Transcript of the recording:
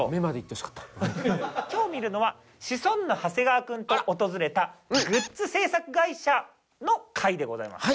今日見るのはシソンヌ長谷川君と訪れたグッズ制作会社の回でございます。